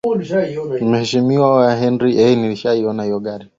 Mheshimiwa Henry Shekifu tarehe kumi mwezi wa tano mwaka elfu mbili na kumi